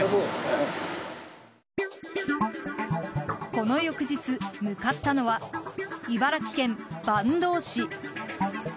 この翌日、向かったのは茨城県坂東市。